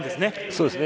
そうですね。